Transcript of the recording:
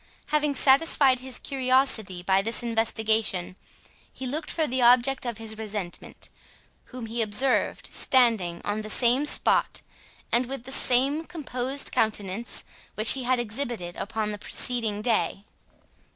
Having satisfied his curiosity by this investigation, he looked for the object of his resentment, whom he observed standing on the same spot, and with the same composed countenance which he had exhibited upon the preceding day.